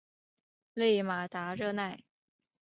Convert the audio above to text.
勒马达热奈。